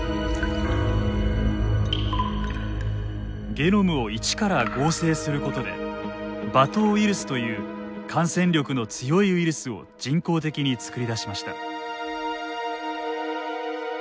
ゲノムを一から合成することで馬とうウイルスという感染力の強いウイルスを人工的に作り出しました。